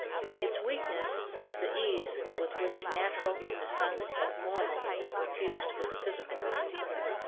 Its weakness is the ease with which natural in the sense of normal is confused with the physical.